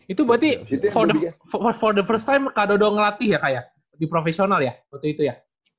itu berarti for the first time kado doang ngelatih ya kayak di profesional ya waktu itu ya